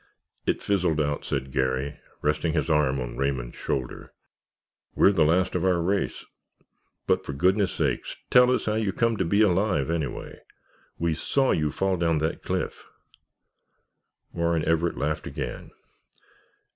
"It fizzled out," said Garry, resting his arm on Raymond's shoulder. "We're the last of our race. But, for goodness' sakes, tell us how you come to be alive, anyway? We saw you fall down that cliff——" Warren Everett laughed again.